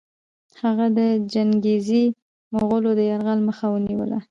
هغه د چنګېزي مغولو د یرغل مخه ونیوله.